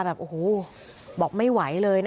คือไม่ห่วงไม่หาวแล้วไป